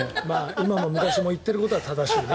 今も昔も言ってることは正しいね。